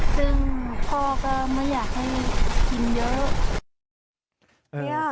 ซึ่งพ่อก็ไม่อยากให้กินเยอะ